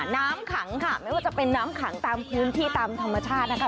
น้ำขังค่ะไม่ว่าจะเป็นน้ำขังตามพื้นที่ตามธรรมชาตินะคะ